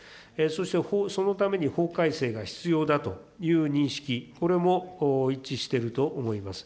そしてそのために法改正が必要だという認識、これも一致していると思います。